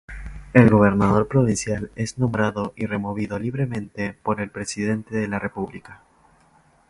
El gobernador provincial es nombrado y removido libremente por el presidente de la República.